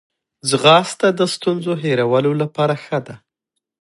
ځغاسته د ستونزو هیرولو لپاره ښه ده